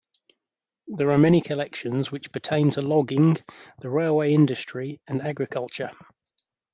There are many collections which pertain to logging, the railway industry and agriculture.